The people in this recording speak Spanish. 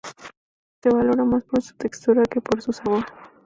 Se valora más por su textura que por su sabor.